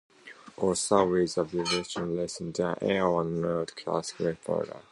All stars with a declination less than "A" are not circumpolar.